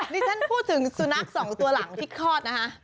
ดิฉันพูดถึงสุนัขสองตัวหลังที่คลอดนะคะ